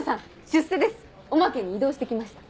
出世ですおまけに異動して来ました。